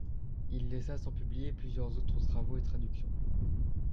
Il laissa sans publier plusieurs autres travaux et traductions.